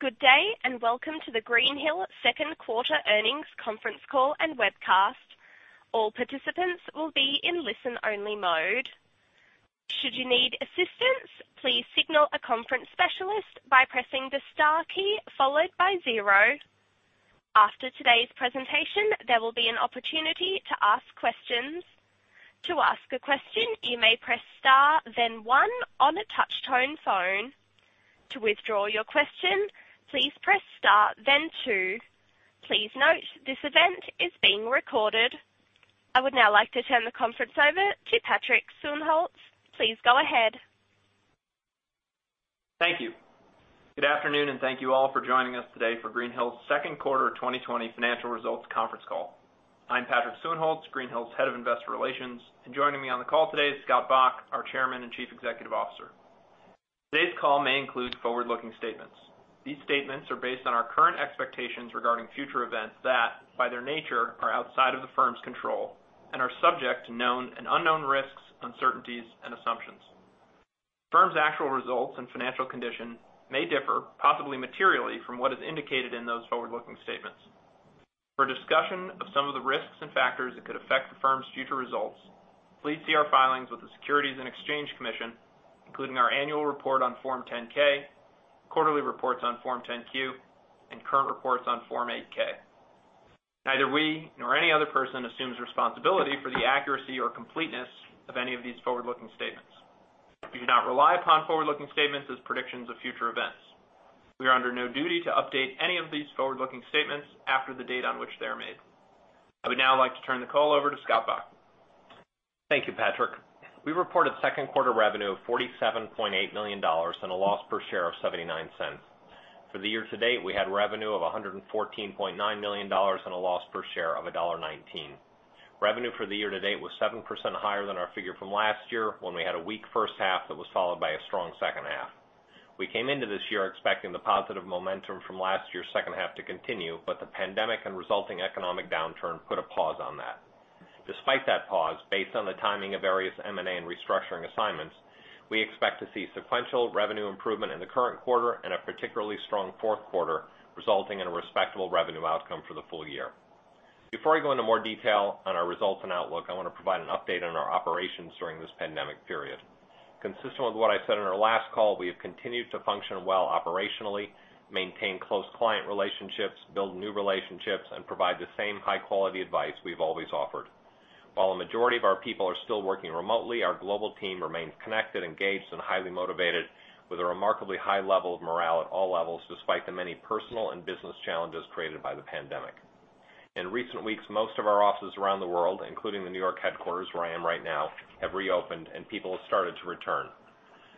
Good day, and welcome to the Greenhill second quarter earnings conference call and webcast. All participants will be in listen-only mode. Should you need assistance, please signal a conference specialist by pressing the star key followed by zero. After today's presentation, there will be an opportunity to ask questions. To ask a question, you may press star, then one on a touch-tone phone. To withdraw your question, please press star, then two. Please note, this event is being recorded. I would now like to turn the conference over to Patrick Suehnholz. Please go ahead. Thank you. Good afternoon, and thank you all for joining us today for Greenhill's second quarter 2020 financial results conference call. I'm Patrick Suehnholz, Greenhill's Head of Investor Relations, and joining me on the call today is Scott Bok, our Chairman and Chief Executive Officer. Today's call may include forward-looking statements. These statements are based on our current expectations regarding future events that, by their nature, are outside of the firm's control and are subject to known and unknown risks, uncertainties, and assumptions. The firm's actual results and financial condition may differ, possibly materially, from what is indicated in those forward-looking statements. For a discussion of some of the risks and factors that could affect the firm's future results, please see our filings with the Securities and Exchange Commission, including our annual report on Form 10-K, quarterly reports on Form 10-Q, and current reports on Form 8-K. Neither we nor any other person assumes responsibility for the accuracy or completeness of any of these forward-looking statements. We do not rely upon forward-looking statements as predictions of future events. We are under no duty to update any of these forward-looking statements after the date on which they are made. I would now like to turn the call over to Scott Bok. Thank you, Patrick. We reported second quarter revenue of $47.8 million and a loss per share of $0.79. For the year to date, we had revenue of $114.9 million and a loss per share of $1.19. Revenue for the year to date was 7% higher than our figure from last year, when we had a weak first half that was followed by a strong second half. We came into this year expecting the positive momentum from last year's second half to continue, but the pandemic and resulting economic downturn put a pause on that. Despite that pause, based on the timing of various M&A and restructuring assignments, we expect to see sequential revenue improvement in the current quarter and a particularly strong fourth quarter, resulting in a respectable revenue outcome for the full year. Before I go into more detail on our results and outlook, I want to provide an update on our operations during this pandemic period. Consistent with what I said on our last call, we have continued to function well operationally, maintain close client relationships, build new relationships, and provide the same high-quality advice we've always offered. While a majority of our people are still working remotely, our global team remains connected, engaged, and highly motivated, with a remarkably high level of morale at all levels, despite the many personal and business challenges created by the pandemic. In recent weeks, most of our offices around the world, including the New York headquarters, where I am right now, have reopened and people have started to return.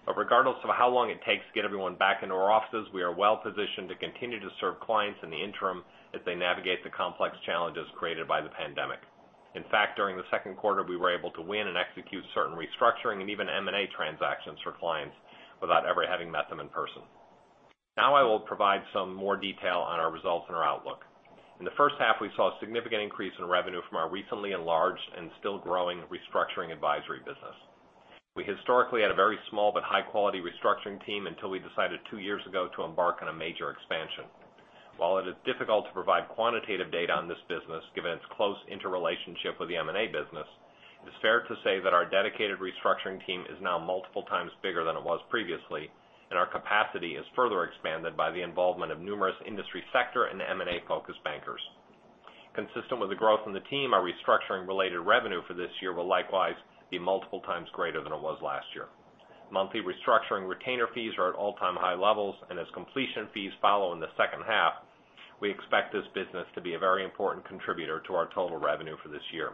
But regardless of how long it takes to get everyone back into our offices, we are well-positioned to continue to serve clients in the interim as they navigate the complex challenges created by the pandemic. In fact, during the second quarter, we were able to win and execute certain restructuring and even M&A transactions for clients without ever having met them in person. Now I will provide some more detail on our results and our outlook. In the first half, we saw a significant increase in revenue from our recently enlarged and still growing restructuring advisory business. We historically had a very small but high-quality restructuring team until we decided two years ago to embark on a major expansion. While it is difficult to provide quantitative data on this business, given its close interrelationship with the M&A business, it's fair to say that our dedicated restructuring team is now multiple times bigger than it was previously, and our capacity is further expanded by the involvement of numerous industry sector and M&A-focused bankers. Consistent with the growth in the team, our restructuring-related revenue for this year will likewise be multiple times greater than it was last year. Monthly restructuring retainer fees are at all-time high levels, and as completion fees follow in the second half, we expect this business to be a very important contributor to our total revenue for this year.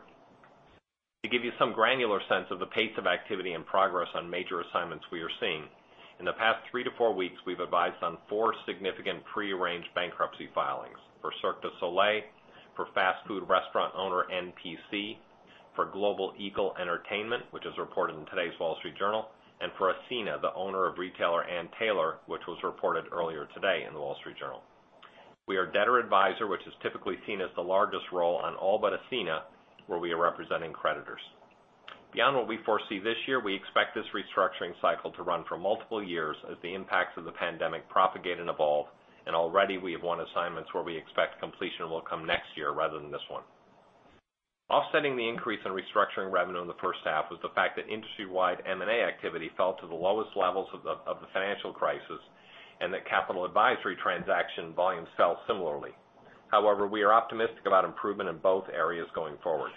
To give you some granular sense of the pace of activity and progress on major assignments we are seeing, in the past 3-4 weeks, we've advised on 4 significant prearranged bankruptcy filings for Cirque du Soleil, for fast food restaurant owner NPC, for Global Eagle Entertainment, which is reported in today's Wall Street Journal, and for Ascena, the owner of retailer Ann Taylor, which was reported earlier today in The Wall Street Journal. We are debtor advisor, which is typically seen as the largest role on all but Ascena, where we are representing creditors. Beyond what we foresee this year, we expect this restructuring cycle to run for multiple years as the impacts of the pandemic propagate and evolve, and already we have won assignments where we expect completion will come next year rather than this one. Offsetting the increase in restructuring revenue in the first half was the fact that industry-wide M&A activity fell to the lowest levels of the financial crisis and that capital advisory transaction volume fell similarly. However, we are optimistic about improvement in both areas going forward.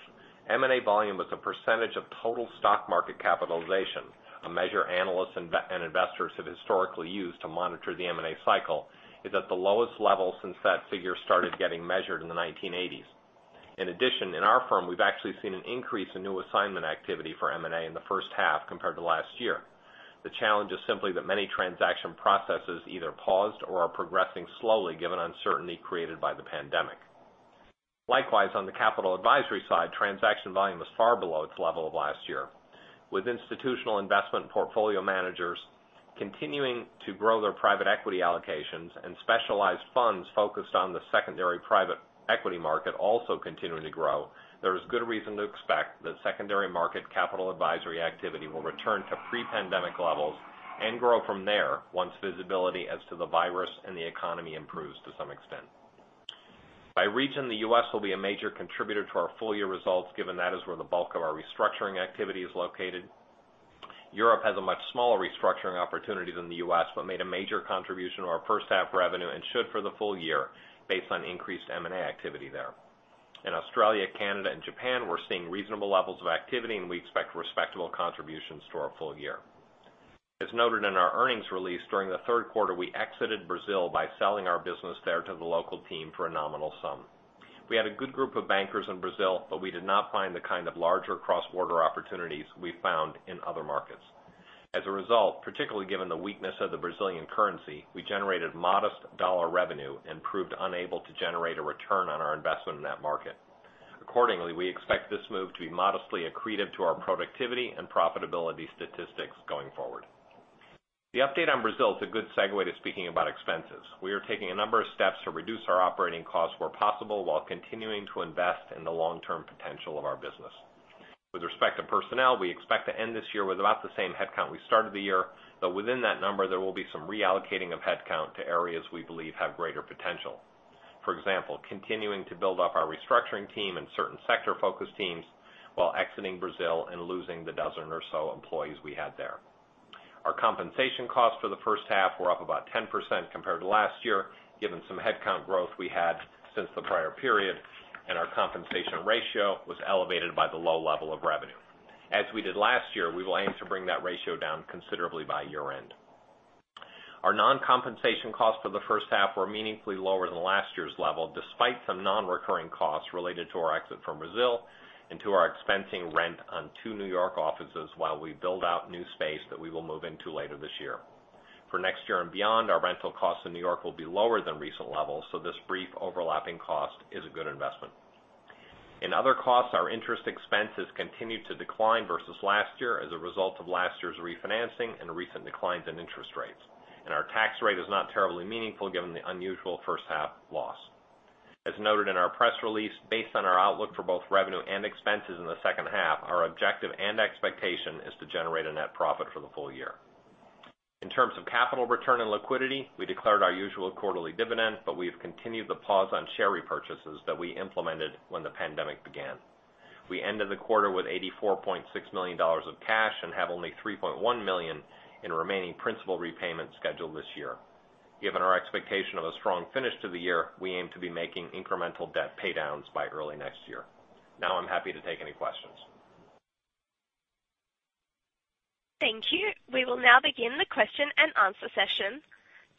M&A volume as a percentage of total stock market capitalization, a measure analysts and investors have historically used to monitor the M&A cycle, is at the lowest level since that figure started getting measured in the 1980s. In addition, in our firm, we've actually seen an increase in new assignment activity for M&A in the first half compared to last year. The challenge is simply that many transaction processes either paused or are progressing slowly given uncertainty created by the pandemic. Likewise, on the capital advisory side, transaction volume is far below its level of last year, with institutional investment portfolio managers continuing to grow their private equity allocations and specialized funds focused on the secondary private equity market also continuing to grow. There is good reason to expect that secondary market capital advisory activity will return to pre-pandemic levels and grow from there once visibility as to the virus and the economy improves to someextent....By region, the U.S. will be a major contributor to our full year results, given that is where the bulk of our restructuring activity is located. Europe has a much smaller restructuring opportunity than the U.S., but made a major contribution to our first half revenue and should for the full year based on increased M&A activity there. In Australia, Canada, and Japan, we're seeing reasonable levels of activity, and we expect respectable contributions to our full year. As noted in our earnings release, during the third quarter, we exited Brazil by selling our business there to the local team for a nominal sum. We had a good group of bankers in Brazil, but we did not find the kind of larger cross-border opportunities we found in other markets. As a result, particularly given the weakness of the Brazilian currency, we generated modest dollar revenue and proved unable to generate a return on our investment in that market. Accordingly, we expect this move to be modestly accretive to our productivity and profitability statistics going forward. The update on Brazil is a good segue to speaking about expenses. We are taking a number of steps to reduce our operating costs where possible, while continuing to invest in the long-term potential of our business. With respect to personnel, we expect to end this year with about the same headcount we started the year, but within that number, there will be some reallocating of headcount to areas we believe have greater potential. For example, continuing to build up our restructuring team and certain sector-focused teams while exiting Brazil and losing the 12 or so employees we had there. Our compensation costs for the first half were up about 10% compared to last year, given some headcount growth we had since the prior period, and our compensation ratio was elevated by the low level of revenue. As we did last year, we will aim to bring that ratio down considerably by year-end. Our non-compensation costs for the first half were meaningfully lower than last year's level, despite some non-recurring costs related to our exit from Brazil and to our expensing rent on two New York offices while we build out new space that we will move into later this year. For next year and beyond, our rental costs in New York will be lower than recent levels, so this brief overlapping cost is a good investment. In other costs, our interest expenses continued to decline versus last year as a result of last year's refinancing and recent declines in interest rates. Our tax rate is not terribly meaningful given the unusual first half loss. As noted in our press release, based on our outlook for both revenue and expenses in the second half, our objective and expectation is to generate a net profit for the full year. In terms of capital return and liquidity, we declared our usual quarterly dividend, but we have continued the pause on share repurchases that we implemented when the pandemic began. We ended the quarter with $84.6 million of cash and have only $3.1 million in remaining principal repayments scheduled this year. Given our expectation of a strong finish to the year, we aim to be making incremental debt paydowns by early next year. Now, I'm happy to take any questions. Thank you. We will now begin the question-and-answer session.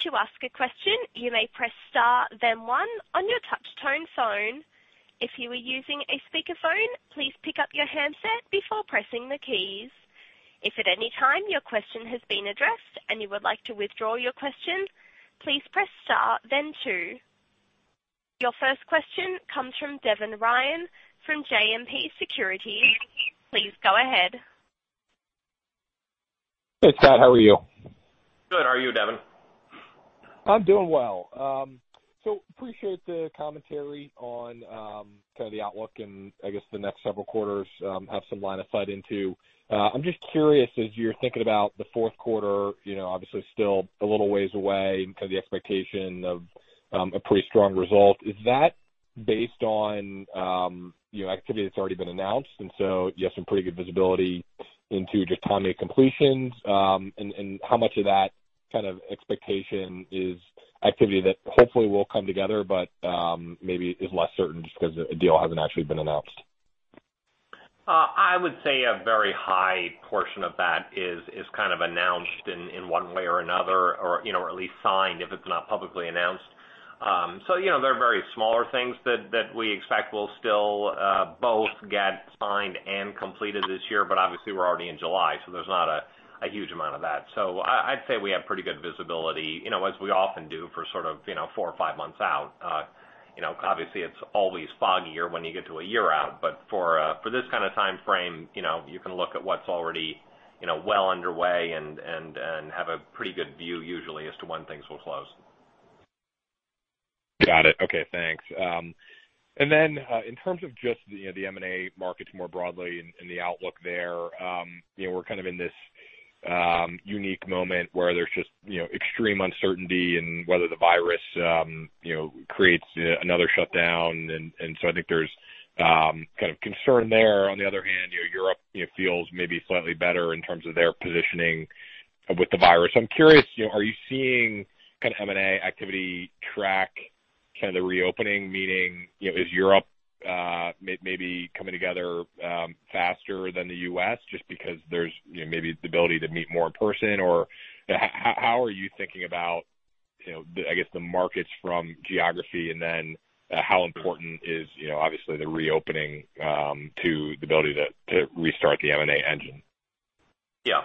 To ask a question, you may press Star, then one on your touch tone phone. If you are using a speakerphone, please pick up your handset before pressing the keys. If at any time your question has been addressed and you would like to withdraw your question, please press Star then two. Your first question comes from Devin Ryan from JMP Securities. Please go ahead. Hey, Scott, how are you? Good. How are you, Devin? I'm doing well. So appreciate the commentary on kind of the outlook and I guess the next several quarters have some line of sight into. I'm just curious, as you're thinking about the fourth quarter, you know, obviously still a little ways away because the expectation of a pretty strong result. Is that based on, you know, activity that's already been announced, and so you have some pretty good visibility into just timing of completions, and how much of that kind of expectation is activity that hopefully will come together but maybe is less certain just 'cause a deal hasn't actually been announced? I would say a very high portion of that is kind of announced in one way or another, or, you know, or at least signed, if it's not publicly announced. So, you know, there are very smaller things that we expect will still both get signed and completed this year, but obviously we're already in July, so there's not a huge amount of that. So I'd say we have pretty good visibility, you know, as we often do for sort of, you know, four or five months out. You know, obviously, it's always foggier when you get to a year out, but for this kind of time frame, you know, you can look at what's already, you know, well underway and have a pretty good view usually as to when things will close. Got it. Okay, thanks. And then, in terms of just, you know, the M&A markets more broadly and, and the outlook there, you know, we're kind of in this, unique moment where there's just, you know, extreme uncertainty and whether the virus, you know, creates, another shutdown. And, so I think there's, kind of concern there. On the other hand, you know, Europe, it feels maybe slightly better in terms of their positioning with the virus. I'm curious, you know, are you seeing kind of M&A activity track, kind of the reopening, meaning, you know, is Europe, maybe coming together, faster than the U.S. just because there's, you know, maybe the ability to meet more in person? Or how, how are you thinking about, you know, the, I guess, the markets from geography, and then, how important is, you know, obviously, the reopening, to the ability to restart the M&A engine? Yeah.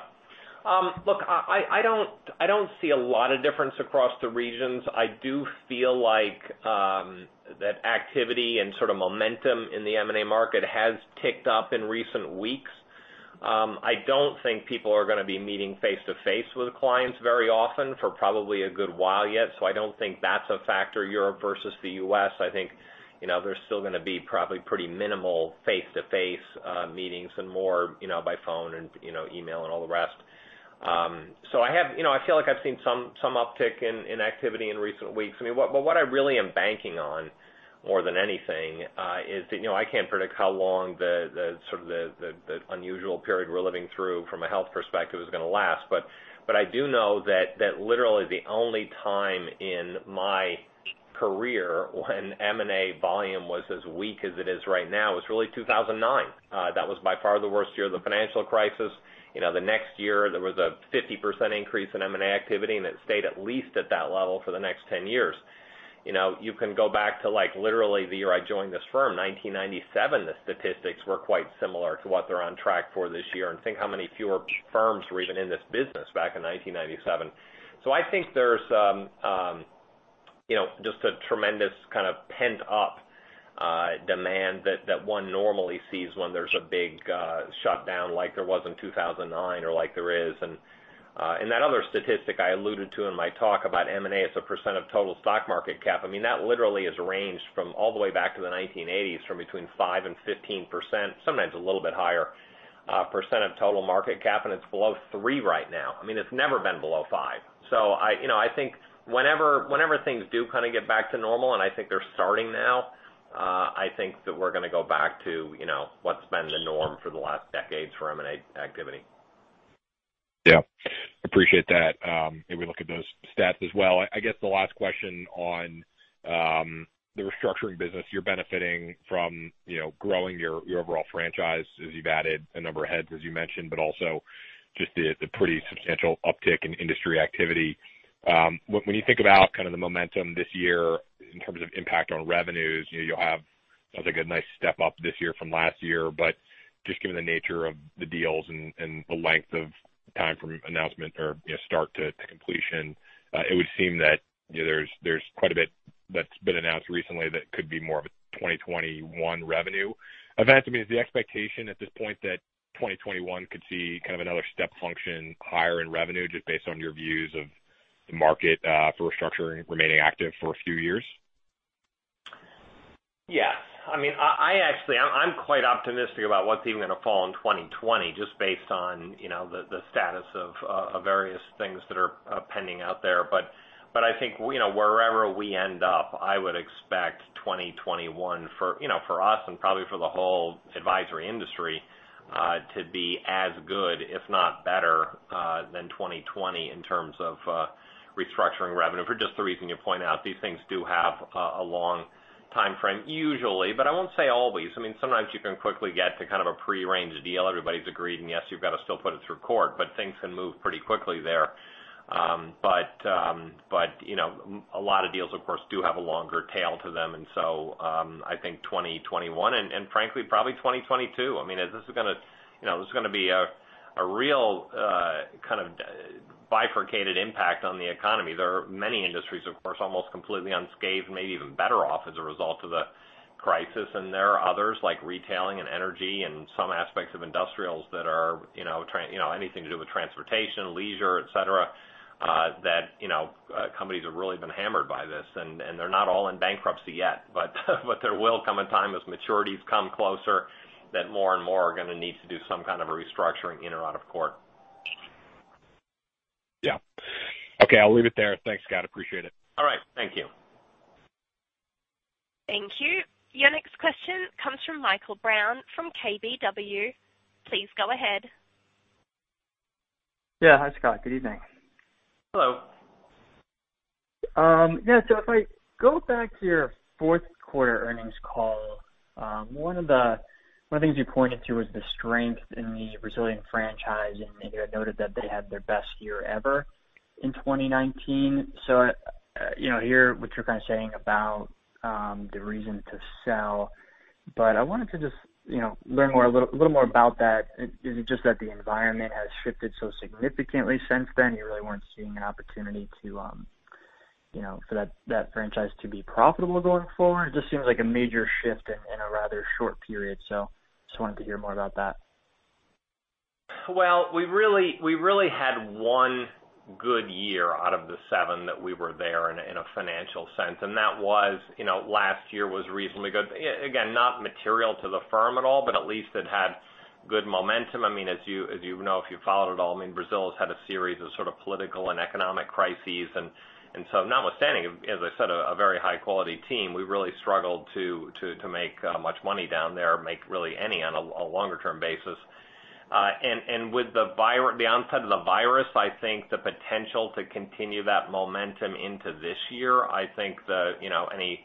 Look, I don't see a lot of difference across the regions. I do feel like that activity and sort of momentum in the M&A market has ticked up in recent weeks. I don't think people are gonna be meeting face-to-face with clients very often for probably a good while yet, so I don't think that's a factor, Europe versus the U.S. I think, you know, there's still gonna be probably pretty minimal face-to-face meetings and more, you know, by phone and, you know, email and all the rest. So I have... You know, I feel like I've seen some uptick in activity in recent weeks. I mean, but what I really am banking on, more than anything, is that, you know, I can't predict how long the sort of unusual period we're living through from a health perspective is gonna last. But I do know that literally the only time in my career when M&A volume was as weak as it is right now was really 2009. That was by far the worst year of the financial crisis. You know, the next year, there was a 50% increase in M&A activity, and it stayed at least at that level for the next 10 years. You know, you can go back to, like, literally the year I joined this firm, 1997, the statistics were quite similar to what they're on track for this year, and think how many fewer firms were even in this business back in 1997. So I think there's, you know, just a tremendous kind of pent-up demand that, that one normally sees when there's a big shutdown like there was in 2009 or like there is. And, and that other statistic I alluded to in my talk about M&A as a percent of total stock market cap, I mean, that literally has ranged from all the way back to the 1980s, from between 5%-15%, sometimes a little bit higher, percent of total market cap, and it's below 3% right now. I mean, it's never been below five. So I, you know, I think whenever things do kind of get back to normal, and I think they're starting now. I think that we're gonna go back to, you know, what's been the norm for the last decades for M&A activity. Yeah. Appreciate that. Maybe look at those stats as well. I guess the last question on the restructuring business. You're benefiting from, you know, growing your overall franchise as you've added a number of heads, as you mentioned, but also just the pretty substantial uptick in industry activity. When you think about kind of the momentum this year in terms of impact on revenues, you know, you'll have, I think, a nice step up this year from last year, but just given the nature of the deals and the length of time from announcement or, you know, start to completion, it would seem that, you know, there's quite a bit that's been announced recently that could be more of a 2021 revenue event. I mean, is the expectation at this point that 2021 could see kind of another step function higher in revenue, just based on your views of the market, for restructuring remaining active for a few years? Yes. I mean, actually, I'm quite optimistic about what's even going to fall in 2020, just based on, you know, the status of various things that are pending out there. But I think, you know, wherever we end up, I would expect 2021 for, you know, for us and probably for the whole advisory industry to be as good, if not better, than 2020 in terms of restructuring revenue, for just the reason you point out. These things do have a long timeframe, usually, but I won't say always. I mean, sometimes you can quickly get to kind of a prearranged deal. Everybody's agreed, and yes, you've got to still put it through court, but things can move pretty quickly there. But you know, a lot of deals, of course, do have a longer tail to them, and so I think 2021 and frankly probably 2022. I mean, this is gonna, you know, this is gonna be a real kind of bifurcated impact on the economy. There are many industries, of course, almost completely unscathed, maybe even better off as a result of the crisis. And there are others, like retailing and energy and some aspects of industrials that are, you know, anything to do with transportation, leisure, et cetera, that you know companies have really been hammered by this, and they're not all in bankruptcy yet. But there will come a time, as maturities come closer, that more and more are gonna need to do some kind of a restructuring in or out of court. Yeah. Okay, I'll leave it there. Thanks, Scott. Appreciate it. All right. Thank you. Thank you. Your next question comes from Michael Brown from KBW. Please go ahead. Yeah. Hi, Scott. Good evening. Hello. Yeah, so if I go back to your fourth quarter earnings call, one of the things you pointed to was the strength in the Brazilian franchise, and I noted that they had their best year ever in 2019. So, you know, here, what you're kind of saying about the reason to sell, but I wanted to just, you know, learn more, a little more about that. Is it just that the environment has shifted so significantly since then, you really weren't seeing an opportunity to, you know, for that franchise to be profitable going forward? It just seems like a major shift in a rather short period. So just wanted to hear more about that. Well, we really, we really had 1 good year out of the 7 that we were there in a financial sense, and that was, you know, last year was reasonably good. Again, not material to the firm at all, but at least it had good momentum. I mean, as you, as you know, if you've followed it at all, I mean, Brazil has had a series of sort of political and economic crises. And so notwithstanding, as I said, a very high-quality team, we really struggled to make much money down there or make really any on a longer-term basis. And with the onset of the virus, I think the potential to continue that momentum into this year, I think that, you know, any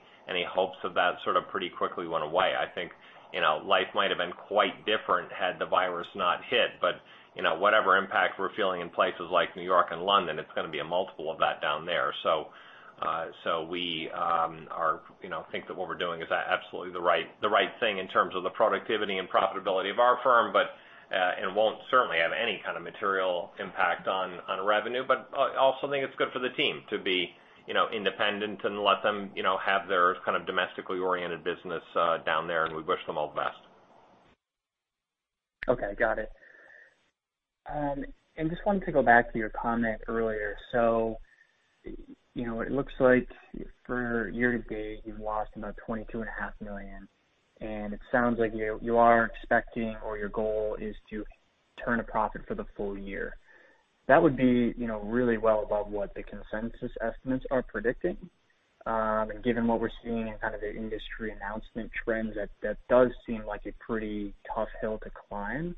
hopes of that sort of pretty quickly went away. I think, you know, life might have been quite different had the virus not hit, but, you know, whatever impact we're feeling in places like New York and London, it's gonna be a multiple of that down there. So we think that what we're doing is absolutely the right thing in terms of the productivity and profitability of our firm, but won't certainly have any kind of material impact on revenue. But also think it's good for the team to be, you know, independent and let them, you know, have their kind of domestically oriented business down there, and we wish them all the best. Okay, got it. And just wanted to go back to your comment earlier. So, you know, it looks like for year-to-date, you've lost about $22.5 million, and it sounds like you, you are expecting or your goal is to turn a profit for the full year. That would be, you know, really well above what the consensus estimates are predicting. And given what we're seeing in kind of the industry announcement trends, that, that does seem like a pretty tough hill to climb....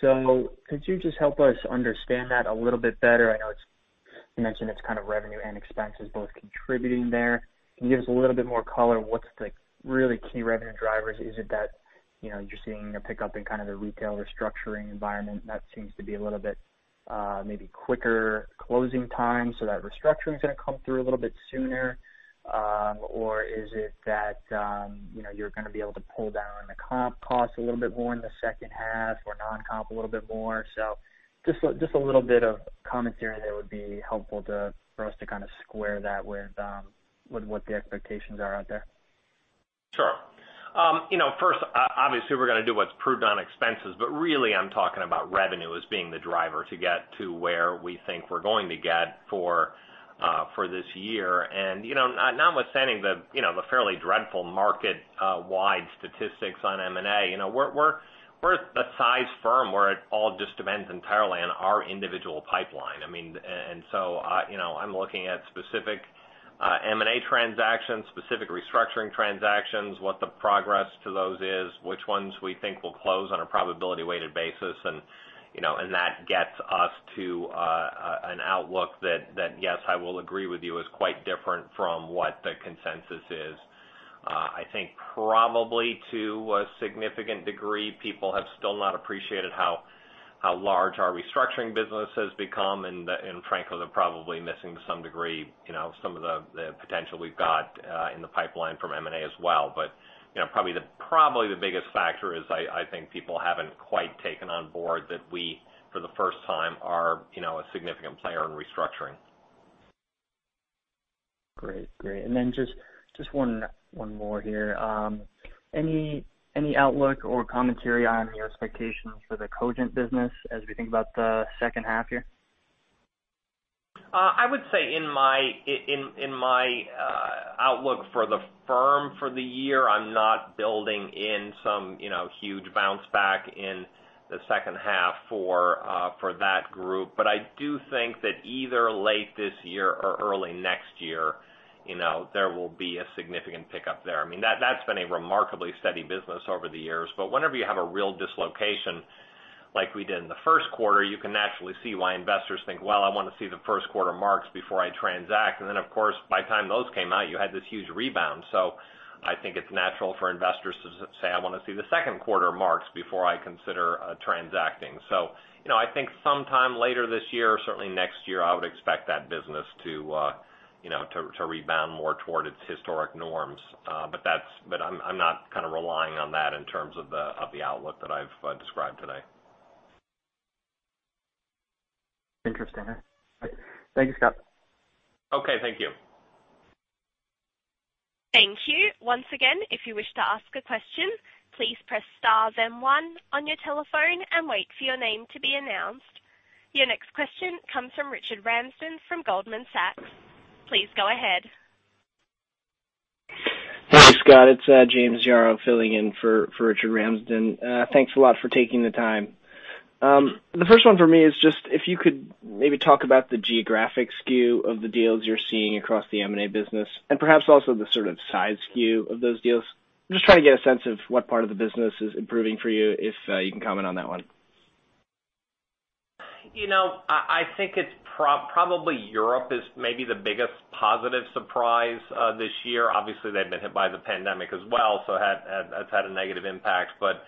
So could you just help us understand that a little bit better? I know it's, you mentioned it's kind of revenue and expenses both contributing there. Can you give us a little bit more color on what's the really key revenue drivers? Is it that, you know, you're seeing a pickup in kind of the retail restructuring environment that seems to be a little bit, maybe quicker closing time, so that restructuring is going to come through a little bit sooner? Or is it that, you know, you're going to be able to pull down the comp costs a little bit more in the second half or non-comp a little bit more? So just, just a little bit of commentary there would be helpful for us to square that with what the expectations are out there. Sure. You know, first, obviously, we're going to do what's proved on expenses, but really, I'm talking about revenue as being the driver to get to where we think we're going to get for, for this year. And, you know, notwithstanding the, you know, the fairly dreadful market wide statistics on M&A, you know, we're a size firm where it all just depends entirely on our individual pipeline. I mean, and so, you know, I'm looking at specific M&A transactions, specific restructuring transactions, what the progress to those is, which ones we think will close on a probability weighted basis. And, you know, and that gets us to an outlook that yes, I will agree with you, is quite different from what the consensus is. I think probably to a significant degree, people have still not appreciated how large our restructuring business has become, and frankly, they're probably missing to some degree, you know, some of the potential we've got in the pipeline from M&A as well. But you know, probably the biggest factor is, I think people haven't quite taken on board that we, for the first time, are, you know, a significant player in restructuring. Great. Great. And then just one more here. Any outlook or commentary on your expectations for the Cogent business as we think about the second half year? I would say in my outlook for the firm for the year, I'm not building in some, you know, huge bounce back in the second half for that group. But I do think that either late this year or early next year, you know, there will be a significant pickup there. I mean, that's been a remarkably steady business over the years. But whenever you have a real dislocation like we did in the first quarter, you can naturally see why investors think, "Well, I want to see the first quarter marks before I transact." And then, of course, by the time those came out, you had this huge rebound. So I think it's natural for investors to say, "I want to see the second quarter marks before I consider transacting." So, you know, I think sometime later this year, certainly next year, I would expect that business to, you know, to rebound more toward its historic norms. But I'm not kind of relying on that in terms of the outlook that I've described today. Interesting. Thank you, Scott. Okay, thank you. Thank you. Once again, if you wish to ask a question, please press star then one on your telephone and wait for your name to be announced. Your next question comes from Richard Ramsden from Goldman Sachs. Please go ahead. Thanks, Scott. It's James Yaro filling in for Richard Ramsden. Thanks a lot for taking the time. The first one for me is just if you could maybe talk about the geographic skew of the deals you're seeing across the M&A business and perhaps also the sort of size skew of those deals. I'm just trying to get a sense of what part of the business is improving for you, if you can comment on that one. You know, I think it's probably Europe is maybe the biggest positive surprise, this year. Obviously, they've been hit by the pandemic as well, so that's had a negative impact. But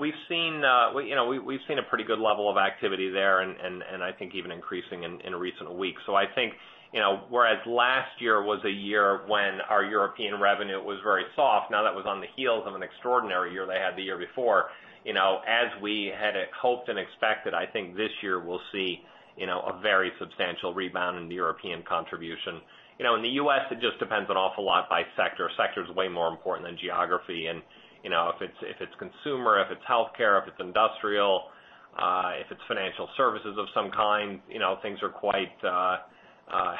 we've seen, you know, we've seen a pretty good level of activity there, and I think even increasing in recent weeks. So I think, you know, whereas last year was a year when our European revenue was very soft, now that was on the heels of an extraordinary year they had the year before. You know, as we had hoped and expected, I think this year we'll see, you know, a very substantial rebound in the European contribution. You know, in the U.S., it just depends an awful lot by sector. Sector is way more important than geography. You know, if it's consumer, if it's healthcare, if it's industrial, if it's financial services of some kind, you know, things are quite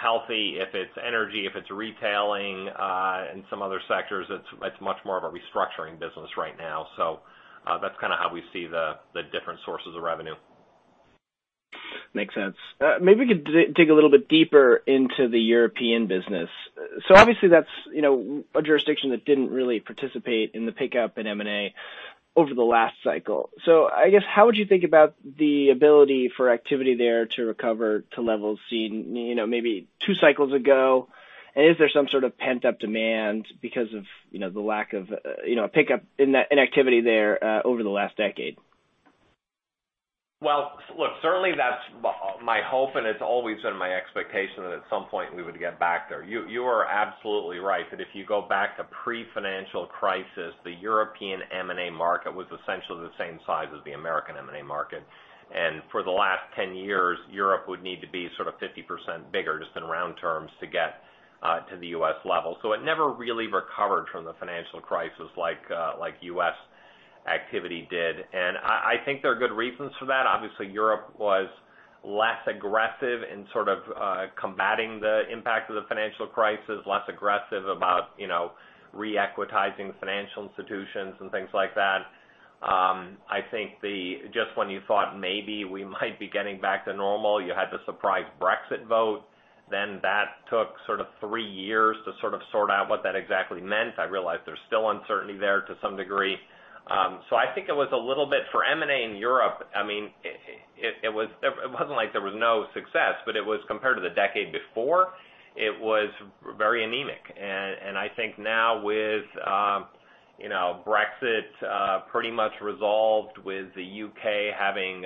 healthy. If it's energy, if it's retailing, and some other sectors, it's much more of a restructuring business right now. So, that's kind of how we see the different sources of revenue. Makes sense. Maybe we could dig a little bit deeper into the European business. So obviously, that's, you know, a jurisdiction that didn't really participate in the pickup in M&A over the last cycle. So I guess, how would you think about the ability for activity there to recover to levels seen, you know, maybe 2 cycles ago? And is there some sort of pent-up demand because of, you know, the lack of, you know, a pickup in that activity there over the last decade? Well, look, certainly that's my hope, and it's always been my expectation that at some point we would get back there. You are absolutely right, that if you go back to pre-financial crisis, the European M&A market was essentially the same size as the American M&A market. And for the last 10 years, Europe would need to be sort of 50% bigger, just in round terms, to get to the U.S. level. So it never really recovered from the financial crisis like like U.S. activity did. And I think there are good reasons for that. Obviously, Europe was less aggressive in sort of combating the impact of the financial crisis, less aggressive about, you know, re-equitizing financial institutions and things like that. Just when you thought maybe we might be getting back to normal, you had the surprise Brexit vote. Then that took sort of three years to sort of sort out what that exactly meant. I realize there's still uncertainty there to some degree. So I think it was a little bit for M&A in Europe. I mean, it wasn't like there was no success, but it was compared to the decade before, it was very anemic. And I think now with, you know, Brexit pretty much resolved with the U.K. having,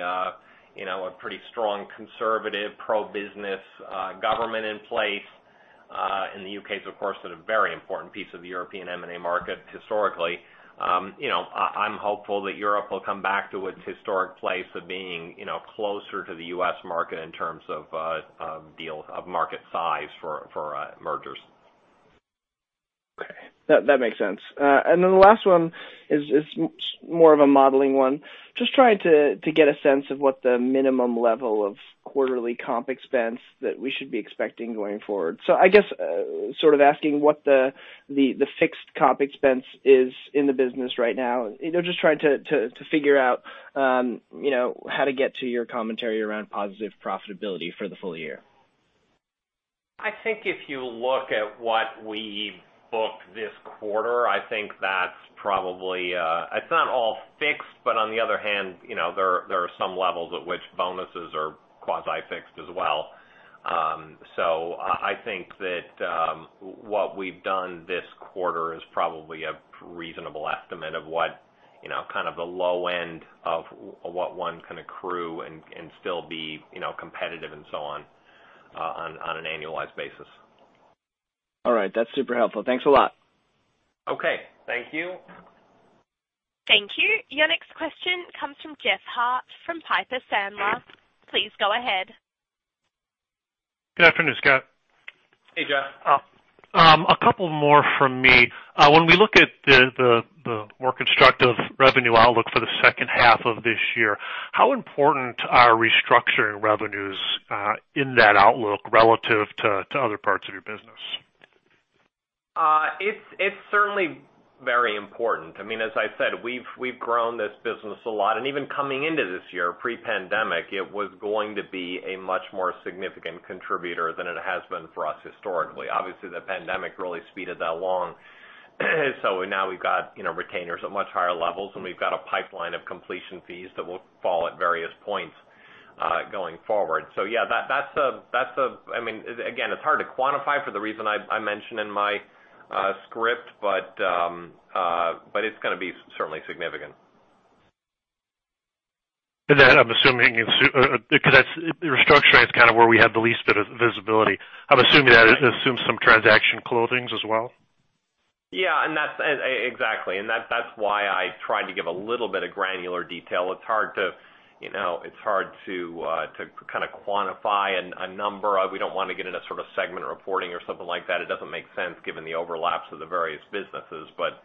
you know, a pretty strong conservative, pro-business government in place, and the U.K. is, of course, a very important piece of the European M&A market historically. You know, I'm hopeful that Europe will come back to its historic place of being, you know, closer to the U.S. market in terms of market size for mergers. Okay, that makes sense. And then the last one is more of a modeling one. Just trying to get a sense of what the minimum level of quarterly comp expense that we should be expecting going forward. So I guess, sort of asking what the fixed comp expense is in the business right now. You know, just trying to figure out, you know, how to get to your commentary around positive profitability for the full year. I think if you look at what we booked this quarter, I think that's probably, it's not all fixed, but on the other hand, you know, there are some levels at which bonuses are quasi-fixed as well. So I think that what we've done this quarter is probably a reasonable estimate of what, you know, kind of the low end of what one can accrue and still be, you know, competitive and so on, on an annualized basis. All right. That's super helpful. Thanks a lot. Okay. Thank you. Thank you. Your next question comes from Jeff Harte from Piper Sandler. Please go ahead. Good afternoon, Scott. Hey, Jeff. A couple more from me. When we look at the more constructive revenue outlook for the second half of this year, how important are restructuring revenues in that outlook relative to other parts of your business? It's certainly very important. I mean, as I said, we've grown this business a lot, and even coming into this year, pre-pandemic, it was going to be a much more significant contributor than it has been for us historically. Obviously, the pandemic really speeded that along. So now we've got, you know, retainers at much higher levels, and we've got a pipeline of completion fees that will fall at various points going forward. So yeah, that's a... I mean, again, it's hard to quantify for the reason I mentioned in my script, but it's gonna be certainly significant. And then I'm assuming, because restructuring is kind of where we have the least bit of visibility. I'm assuming that assumes some transaction closings as well? Yeah, and that's exactly. And that's why I tried to give a little bit of granular detail. It's hard to, you know, it's hard to to kind of quantify a number. We don't want to get into sort of segment reporting or something like that. It doesn't make sense, given the overlaps of the various businesses. But,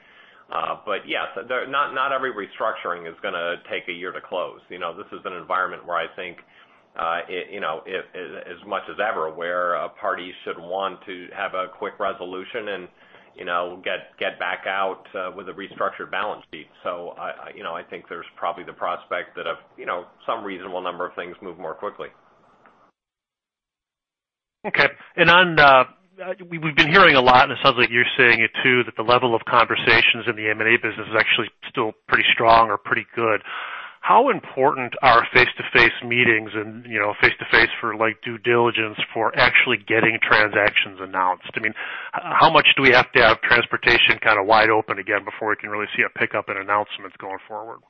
but yeah, so not, not every restructuring is gonna take a year to close. You know, this is an environment where I think, you know, it as much as ever, where a party should want to have a quick resolution and, you know, get back out with a restructured balance sheet. So I, you know, I think there's probably the prospect that, you know, some reasonable number of things move more quickly. Okay. And on, we've been hearing a lot, and it sounds like you're saying it, too, that the level of conversations in the M&A business is actually still pretty strong or pretty good. How important are face-to-face meetings and, you know, face-to-face for, like, due diligence, for actually getting transactions announced? I mean, how much do we have to have transportation kind of wide open again before we can really see a pickup in announcements going forward?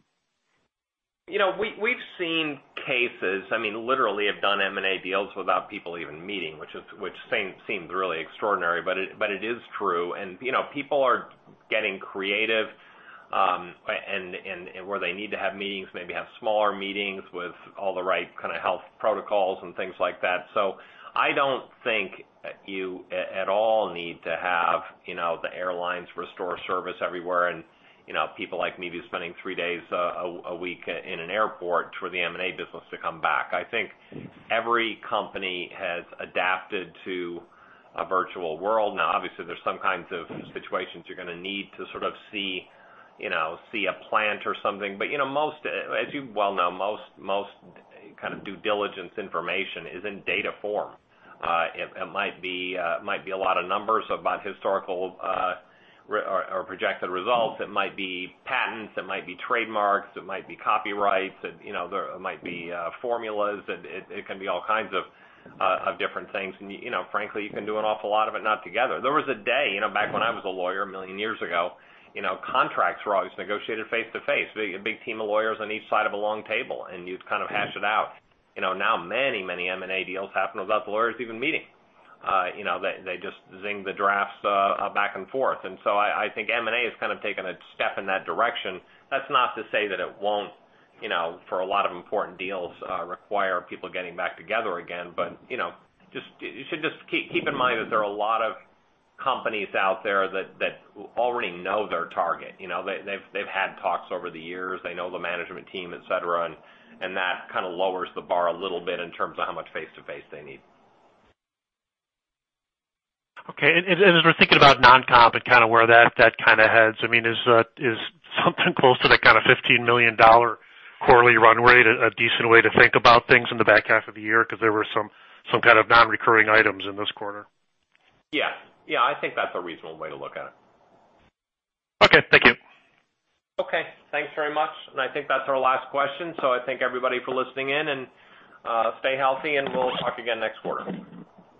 You know, we've seen cases, I mean, literally, have done M&A deals without people even meeting, which seems really extraordinary, but it is true. And, you know, people are getting creative, and where they need to have meetings, maybe have smaller meetings with all the right kind of health protocols and things like that. So I don't think you at all need to have, you know, the airlines restore service everywhere and, you know, people like me be spending three days a week in an airport for the M&A business to come back. I think every company has adapted to a virtual world. Now, obviously, there's some kinds of situations you're gonna need to sort of see, you know, a plant or something. But, you know, most, as you well know, most, most kind of due diligence information is in data form. It might be a lot of numbers about historical or projected results. It might be patents, it might be trademarks, it might be copyrights, and, you know, there might be formulas. It can be all kinds of different things. And, you know, frankly, you can do an awful lot of it, not together. There was a day, you know, back when I was a lawyer, a million years ago, you know, contracts were always negotiated face-to-face. Big team of lawyers on each side of a long table, and you'd kind of hash it out. You know, now many, many M&A deals happen without the lawyers even meeting. You know, they, they just zing the drafts back and forth. And so I think M&A has kind of taken a step in that direction. That's not to say that it won't, you know, for a lot of important deals require people getting back together again. But, you know, you should just keep in mind that there are a lot of companies out there that already know their target. You know, they've had talks over the years. They know the management team, et cetera, and that kind of lowers the bar a little bit in terms of how much face-to-face they need. Okay. And as we're thinking about non-comp and kind of where that kind of heads, I mean, is, is something close to the kind of $15 million quarterly run rate a decent way to think about things in the back half of the year? Because there were some kind of non-recurring items in this quarter. Yeah. Yeah, I think that's a reasonable way to look at it. Okay, thank you. Okay, thanks very much. I think that's our last question. I thank everybody for listening in, and stay healthy, and we'll talk again next quarter.